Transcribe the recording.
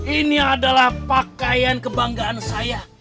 ini adalah pakaian kebanggaan saya